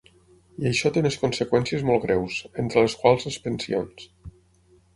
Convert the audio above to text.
I això té unes conseqüències molt greus, entre les quals les pensions.